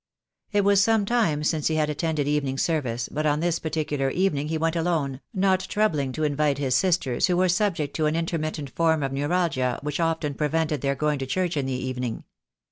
It was some time since he had attended evening service, but on this particular evening he went alone, not troubling to invite his sisters, who were subject to an in termittent form of neuralgia which often prevented their going to church in the evening.